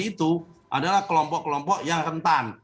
jadi tadi itu adalah kelompok kelompok yang rentan